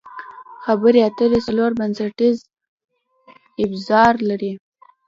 خبرې اترې څلور بنسټیز ابزار لري.